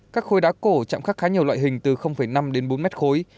các khối đá cổ chạm khắc khá nhiều loại hình từ năm bốn m khối